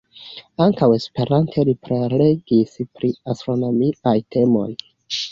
Ankaŭ Esperante li prelegis pri astronomiaj temoj.